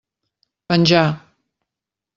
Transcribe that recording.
Penjà.